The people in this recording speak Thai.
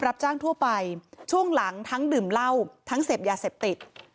รับจ้างทั่วไปช่วงหลังทั้งดื่มเหล้าทั้งเสพยาเสพติด